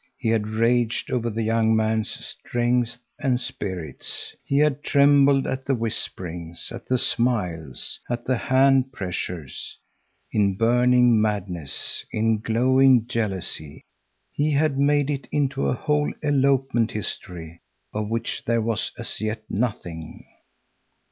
He had raged over the young man's strength and spirits. He had trembled at the whisperings, at the smiles, at the hand pressures. In burning madness, in glowing jealousy, he had made it into a whole elopement history, of which there was as yet nothing.